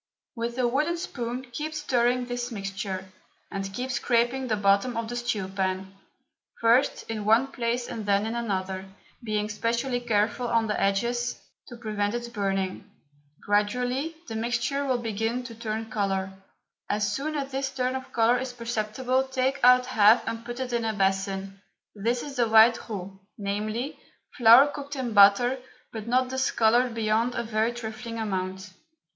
With a wooden spoon keep stirring this mixture, and keep scraping the bottom of the stew pan, first in one place and then in another, being specially careful of the edges, to prevent its burning. Gradually the mixture will begin to turn colour. As soon as this turn of colour is perceptible take out half and put it in a basin. This is the white roux, viz., flour cooked in butter but not discoloured beyond a very trifling amount.